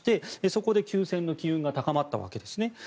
そこで休戦の機運が高まったわけですね。